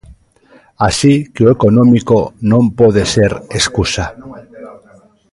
Así que o económico non pode ser escusa.